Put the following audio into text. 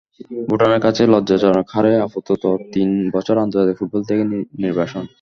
ভুটানের কাছে লজ্জাজনক হারে আপাতত তিন বছর আন্তর্জাতিক ফুটবল থেকে নির্বাসন।